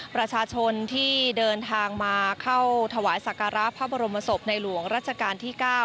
ประชาชนที่เดินทางมาเข้าถวายสักการะพระบรมศพในหลวงรัชกาลที่๙